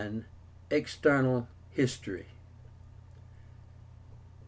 EXTERNAL HISTORY.